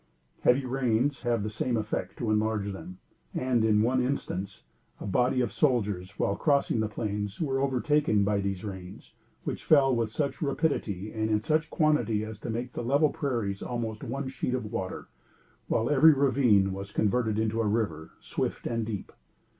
Heavy rains have the same effect to enlarge them; and, in one instance, a body of soldiers, while crossing the plains, were overtaken by these rains, which fell with such rapidity and in such quantity as to make the level prairies almost one sheet of water, while every ravine was converted into a river, swift and deep.